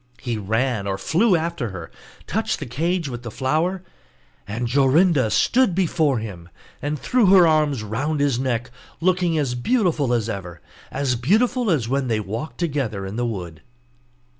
He ran or flew after her, touched the cage with the flower, and Jorinda stood before him, and threw her arms round his neck looking as beautiful as ever, as beautiful as when they walked together in the wood.